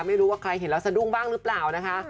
ไม่รู้ว่าใครเห็นแล้วสะดุ้งบ้างหรือเปล่านะคะ